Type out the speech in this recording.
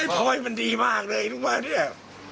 ไอ้พ่อยมันดีมากเลยทุกคนมาเนี่ย